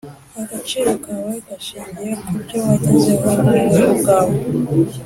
agaciro kawe gashingiye ku byo wagezeho wowe ubwawe